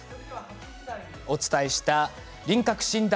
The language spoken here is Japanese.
お伝えした顔の輪郭診断